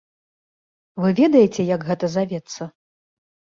Вы ведаеце, як гэта завецца?